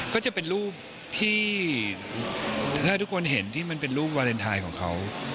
ก็จะเป็นรูปที่ถ้าทุกคนเห็นที่มันเป็นรูปวาเลนไทยของเขา